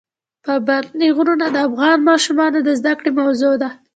پابندی غرونه د افغان ماشومانو د زده کړې موضوع ده.